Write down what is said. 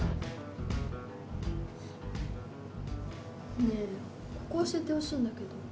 ねえここ教えてほしいんだけど。